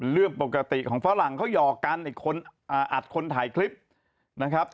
เรื่องปกติของฝรั่งเขาหยอกกันไอ้คนอัดคนถ่ายคลิปนะครับ